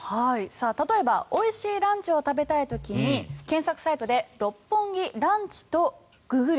例えばおいしいランチを食べたい時に検索サイトで「六本木ランチ」とググる。